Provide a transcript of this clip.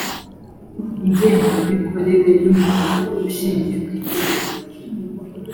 ngengamikorere y umuryango ushingiye ku itegeko